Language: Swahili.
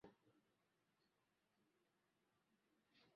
inahakikisha kuna mfumo wenye uadilifu kwa ukuaji wa uchumi wa taifa